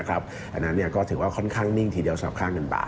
อันนั้นก็ถือว่าค่อนข้างนิ่งทีเดียวสำหรับค่าเงินบาท